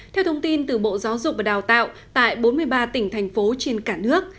theo thông tin từ bộ giáo dục và đào tạo tại bốn mươi ba tỉnh thành phố trên cả nước